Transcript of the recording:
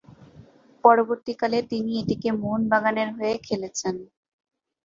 পরবর্তীকালে, তিনি এটিকে মোহনবাগানের হয়ে খেলেছেন।